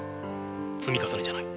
積み重ねじゃない。